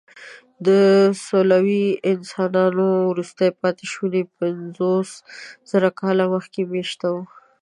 د سولويي انسانانو وروستي پاتېشوني پنځوسزره کاله مخکې مېشته وو.